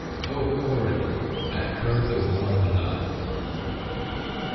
Oh horrible ! I heard a woman laug h.